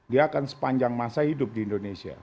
dia akan sepanjang masa hidup di indonesia